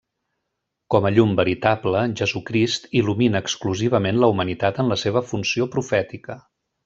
Com a Llum veritable, Jesucrist il·lumina exclusivament la humanitat en la seva funció profètica.